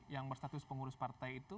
yang berstatus pengurus partai itu